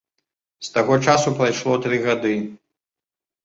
З таго часу прайшло тры гады.